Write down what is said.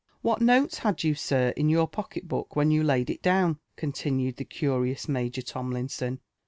"What notes had you, sir, in your pocket book when you laid it down?" continued the curious Major Tomlinson.